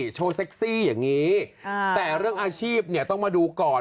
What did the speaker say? โชว์เซ็กซี่อย่างนี้แต่เรื่องอาชีพเนี่ยต้องมาดูก่อน